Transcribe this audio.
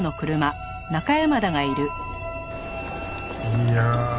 いやあ。